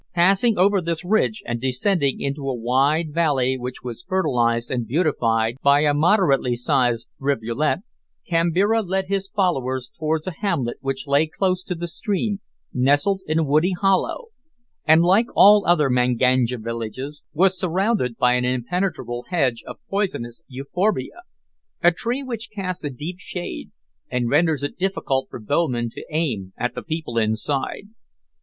Passing over this ridge, and descending into a wide valley which was fertilised and beautified by a moderately sized rivulet, Kambira led his followers towards a hamlet which lay close to the stream, nestled in a woody hollow, and, like all other Manganja villages, was surrounded by an impenetrable hedge of poisonous euphorbia a tree which casts a deep shade, and renders it difficult for bowmen to aim at the people inside.